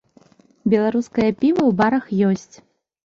Беларускае піва ў барах ёсць.